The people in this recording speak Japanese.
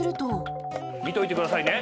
見といてくださいね。